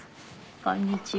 こんにちは。